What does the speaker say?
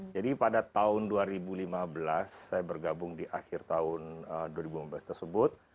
jadi pada tahun dua ribu lima belas saya bergabung di akhir tahun dua ribu lima belas tersebut